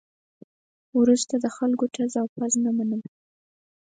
وروسته د خلکو ټز او پز نه منم.